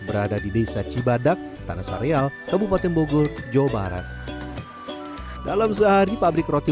berada di desa cibadak tanasareal kabupaten bogor jawa barat dalam sehari pabrik roti